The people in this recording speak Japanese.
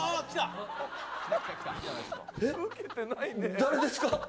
誰ですか？